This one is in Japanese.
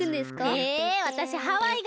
えわたしハワイがいいな。